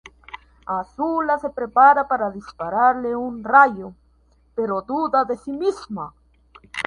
Azula se prepara para dispararle un rayo, pero duda de sí misma.